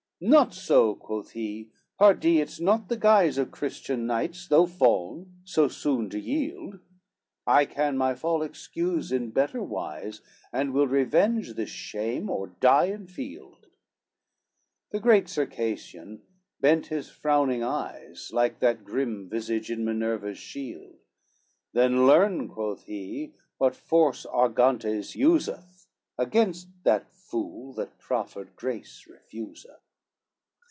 XXXIII "Not so," quoth he, "pardy it's not the guise Of Christian knights, though fall'n, so soon to yield; I can my fall excuse in better wise, And will revenge this shame, or die in field." The great Circassian bent his frowning eyes, Like that grim visage in Minerva's shield, "Then learn," quoth he, "what force Argantes useth Against that fool that proffered grace refuseth."